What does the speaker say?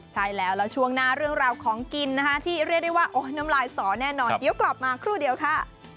ใช่แล้วแล้วช่วงหน้าเรื่องราวของกินนะคะที่เรียกได้ว่าโอ๊ยน้ำลายสอแน่นอนเดี๋ยวกลับมาครู่เดียวค่ะ